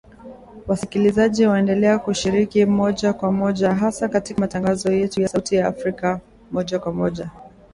Wasikilizaji waendelea kushiriki moja kwa moja hasa katika matangazo yetu ya Sauti ya Afrika Moja kwa Moja.